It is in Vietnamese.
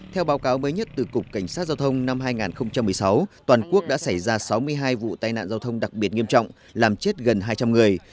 theo báo cáo mới nhất từ cục cảnh sát giao thông năm hai nghìn một mươi sáu toàn quốc đã xảy ra sáu mươi hai vụ tai nạn giao thông đặc biệt nghiêm trọng làm chết gần hai trăm linh người